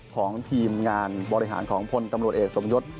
ของทีมงานบริหารของพลตำรวจเอกสมยศ